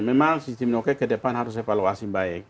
memang sistem noken ke depan harus evaluasi baik